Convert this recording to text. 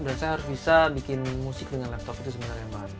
dan saya harus bisa bikin musik dengan laptop itu sebenarnya yang bahan